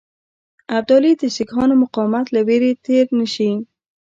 ابدالي د سیکهانو مقاومت له وېرې تېر نه شي.